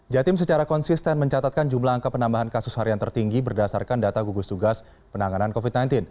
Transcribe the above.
jatim secara konsisten mencatatkan jumlah angka penambahan kasus harian tertinggi berdasarkan data gugus tugas penanganan covid sembilan belas